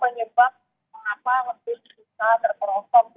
masih membutuhkan terangan dari keputusan kejadian